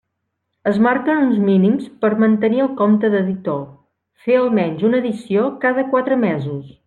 Es marquen uns mínims per mantenir el compte d'editor: fer almenys una edició cada quatre mesos.